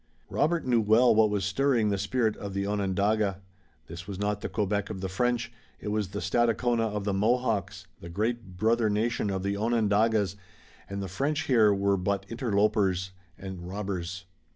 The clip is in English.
Robert knew well what was stirring the spirit of the Onondaga. This was not the Quebec of the French, it was the Stadacona of the Mohawks, the great brother nation of the Onondagas, and the French here were but interlopers and robbers.